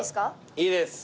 いいです。